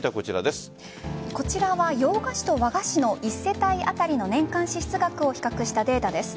こちらは洋菓子と和菓子の１世帯当たりの年間支出額を比較したデータです。